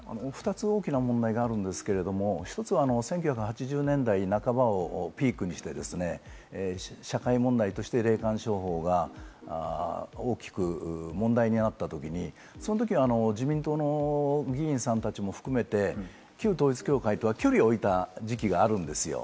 ２つの大きな問題があるんですけど、１つは１９８０年代半ばをピークにして、社会問題として霊感商法が大きく問題になった時に、その時、自民党の議員さんたちも含めて、旧統一教会とは距離を置いた時期があるんですよ。